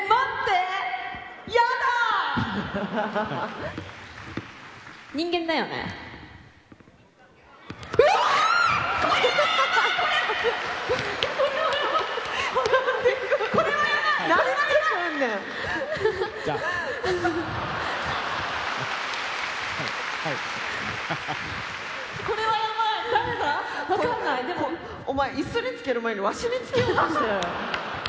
お前椅子につける前にわしにつけようとしたやろ。